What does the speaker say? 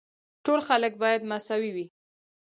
ټول خلک باید مساوي وي.